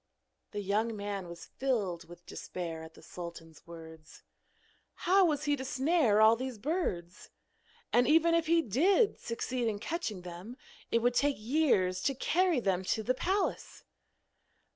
The young man was filled with despair at the sultan's words. How was he to snare all these birds? and even if he did succeed in catching them it would take years to carry them to the palace!